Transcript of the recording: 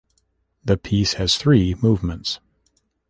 The piece has three movements.